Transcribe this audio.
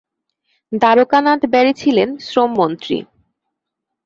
দ্বারকা নাথ ব্যারি ছিলেন শ্রম মন্ত্রী।